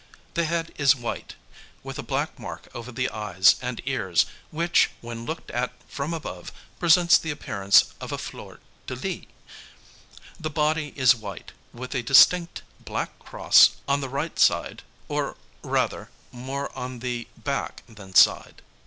The head is white, with a black mark over the eyes and ears which, when looked at from above, presents the appearance of a fleur de lis. The body is white, with a distinct black cross on the right side, or, rather, more on the back than side.